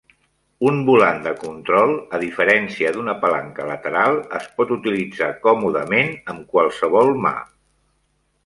Un volant de control, a diferència d'una palanca lateral, es pot utilitzar còmodament amb qualsevol mà.